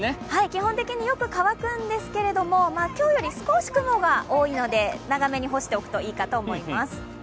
基本的によく乾くんですけれども今日より少し雲が多いので、長めに干しておくといいかと思います。